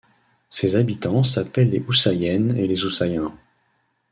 Ses habitants s'appellent les Houssayennes et les Houssayens.